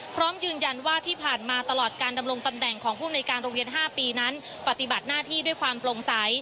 พร้อมยืนยันว่าที่ผ่านมาตลอดการดำรงตำแหน่งของภูมิในการโรงเรียน๕ปีนั้นปฏิบัติหน้าที่ด้วยความโปร่งใส